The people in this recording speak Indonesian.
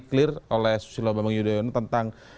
clear oleh susilo bambang yudhoyono tentang